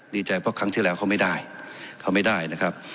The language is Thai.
ดีใจเพราะครั้งที่แล้วเขาไม่ได้เขาไม่ได้นะครับ